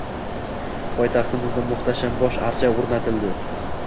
Poytaxtimizda muhtasham bosh archa o‘rnatildi